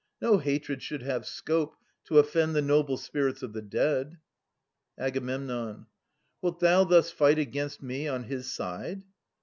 No hatred should have scope To offend the noble spirits of the dead. Ag. Wilt thou thus fight against me on his side